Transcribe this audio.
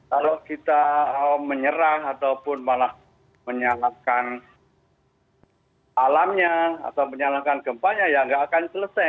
kalau kita menyerah ataupun malah menyalahkan alamnya atau menyalahkan gempanya ya nggak akan selesai